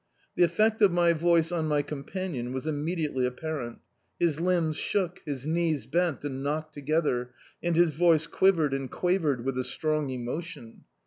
The effect of my voice cm my companion was immediately apparent. His limt^ shook, his knees bent and knocked together, and his voice quivered and quavered with a strong emotion.